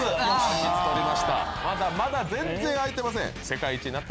まだまだ全然開いてません。